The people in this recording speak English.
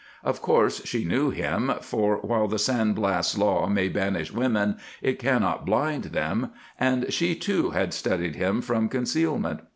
Of course she knew him, for, while the San Blas law may banish women, it cannot blind them, and she, too, had studied him from concealment.